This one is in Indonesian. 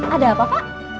ada apa pak